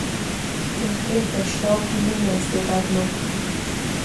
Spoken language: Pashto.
کرکټ د شوق، میني او استعداد لوبه ده.